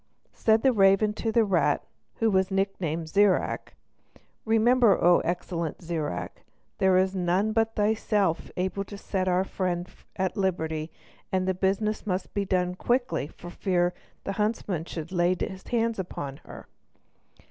Said the raven to the rat, who was nicknamed Zirac: "Remember, O excellent Zirac, there is none but thyself able to set our friend at liberty; and the business must be quickly done for fear the huntsman should lay his hands upon her."